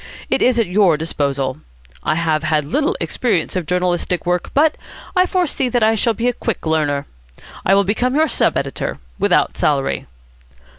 It is at your disposal. I have had little experience of journalistic work, but I foresee that I shall be a quick learner. I will become your sub editor, without salary."